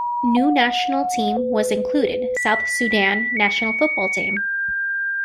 New national team was included, South Sudan national football team.